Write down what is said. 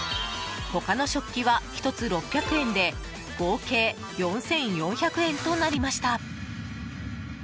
他の食器は１つ６００円で合計４４００円となりました。